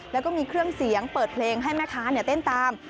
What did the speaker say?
แล้วก็มีเครื่องเสียงเปิดเพลงให้แม่ค้าเต้นตาม